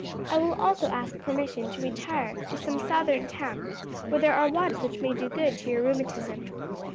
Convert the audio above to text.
I will also ask permission to retire to some southern town where there are waters which may do good to your rheumatism."